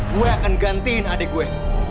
gue akan gantiin adik gue